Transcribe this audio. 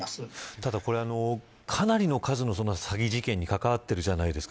ただこれ、かなりの数の詐欺事件に関わっているじゃないですか。